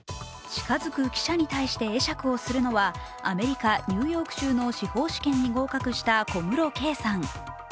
近づく記者に対して会釈するのはアメリカ・ニューヨーク州の司法試験に合格した小室圭さん。